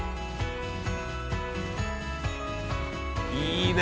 いいね